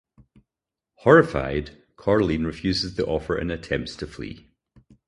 Horrified, Coraline refuses the offer and attempts to flee.